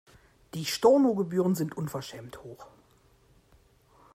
Die Stornogebühren sind unverschämt hoch.